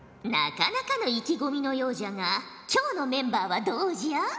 なかなかの意気込みのようじゃが今日のメンバーはどうじゃ？